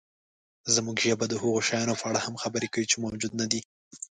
زموږ ژبه د هغو شیانو په اړه هم خبرې کوي، چې موجود نهدي.